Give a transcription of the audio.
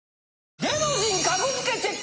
芸能人格付けチェック！